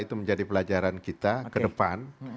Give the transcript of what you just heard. itu menjadi pelajaran kita ke depan